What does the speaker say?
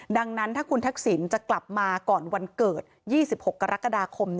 ดังนั้นถ้าคุณทักษิณจะกลับมาก่อนวันเกิด๒๖กรกฎาคม